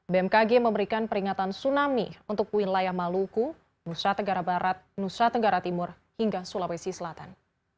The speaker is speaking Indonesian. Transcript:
bmkg memberikan peringatan tsunami untuk wilayah maluku nusa tenggara barat nusa tenggara timur hingga sulawesi selatan